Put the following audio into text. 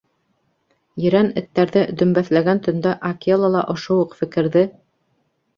— Ерән эттәрҙе дөмбәҫләгән төндә Акела ла ошо уҡ фекерҙе...